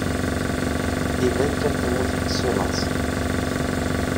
Iban kan temmutemt seg laẓ.